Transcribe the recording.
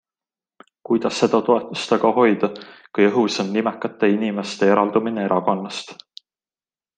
Kuidas seda toetust aga hoida, kui õhus on nimekate inimeste eraldumine erakonnast?